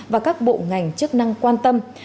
và các bộ ngành chức năng quan tâm